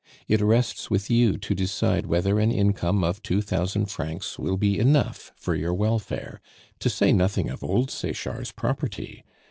"It rests with you to decide whether an income of two thousand francs will be enough for your welfare, to say nothing of old Sechard's property.